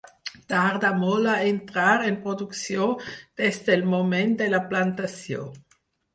Tarda molt a entrar en producció des del moment de la plantació.